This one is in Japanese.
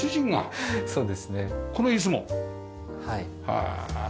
へえ。